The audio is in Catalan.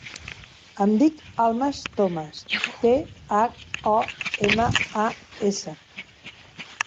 Em dic Almas Thomas: te, hac, o, ema, a, essa.